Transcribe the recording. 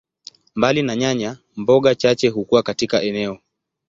Mbali na nyanya, mboga chache hukua katika eneo.